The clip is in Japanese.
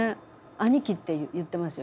「兄貴」って言ってますよ。